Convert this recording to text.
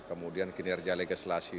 kemudian kinerja legislasi